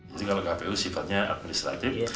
jadi kalau kpu sifatnya administratif